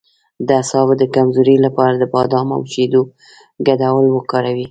د اعصابو د کمزوری لپاره د بادام او شیدو ګډول وکاروئ